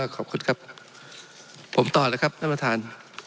ขอบคุณครับผมต่อแล้วครับท่านประธาน